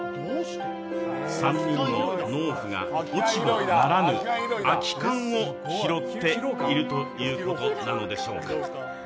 ３人の農夫が落ち穂ならぬ、空き缶を拾っているということなのでしょうか。